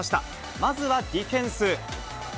まずはディフェンス。